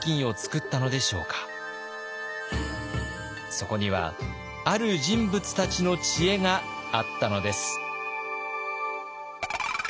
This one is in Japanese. そこにはある人物たちの知恵があったのです。